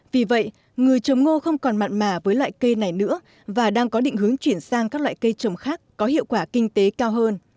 vì vậy người trồng ngô không còn mặn mà với loại cây này nữa và đang có định hướng chuyển sang các loại cây trồng khác có hiệu quả kinh tế cao hơn